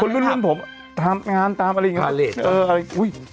รุ่นผมทำงานตามอะไรอย่างนี้